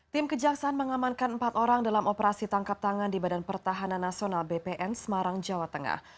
tim kejaksaan mengamankan empat orang dalam operasi tangkap tangan di badan pertahanan nasional bpn semarang jawa tengah